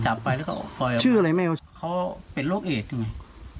จับไปแล้วก็ปล่อยชื่ออะไรแม่เขาเขาเป็นโรคเอจนี่ไง